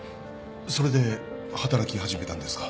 それで働き始めたんですか？